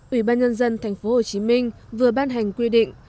ủy ban nhân dân thành phố hồ chí minh vừa ban hành quy định